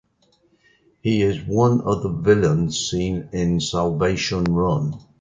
He is one of the villains seen in "Salvation Run".